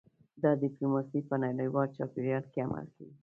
دا ډیپلوماسي په نړیوال چاپیریال کې عمل کوي